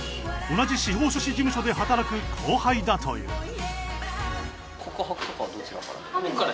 同じ司法書士事務所で働く後輩だという。